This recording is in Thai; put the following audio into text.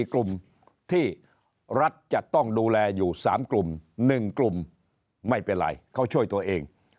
กลุ่มที่รัฐจะต้องดูแลอยู่๓กลุ่ม๑กลุ่มไม่เป็นไรเขาช่วยตัวเอง